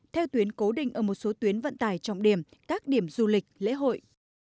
theo tuyến cố định ở một số tuyến vận tải trọng điểm các điểm du lịch lễ hội